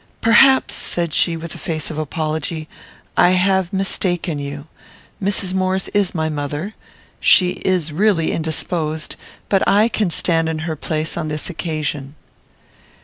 "Perhaps," said she, with a face of apology, "I have mistaken you. Mrs. Maurice is my mother. She is really indisposed, but I can stand in her place on this occasion."